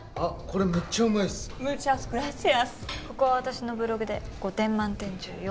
ここは私のブログで５点満点中４点なんで。